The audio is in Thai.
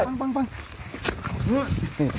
นี่ฟังแตะเข้าได้